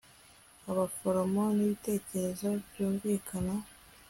Abaforomo nibitekerezo byunvikana